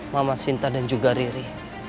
mama sinta dan juga riri